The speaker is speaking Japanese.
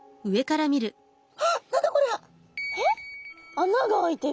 穴があいてる。